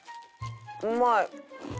うまい！